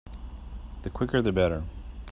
The quicker the better.